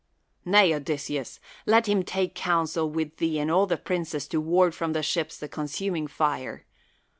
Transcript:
Xay, Odysseus, let him take counsel with thee and all the princes to ward from the ships the consuming fire.